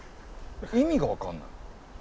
意味が分かんない。